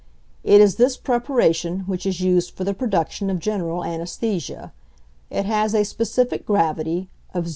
It is this preparation which is used for the production of general anæsthesia. It has a specific gravity of 0.